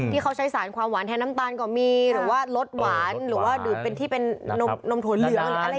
ที่เค้าใช้สารความหวานแทนน้ำตาลก็มีหรือว่ารสหวานหรือว่าดื่มที่เป็นนมโถ่เหลืองอะไรอย่างนี้